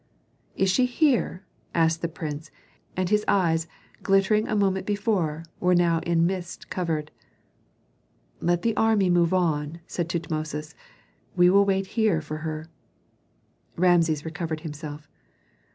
"Is she here?" asked the prince; and his eyes, glittering a moment before, were now mist covered. "Let the army move on," said Tutmosis; "we will wait here for her." Rameses recovered himself.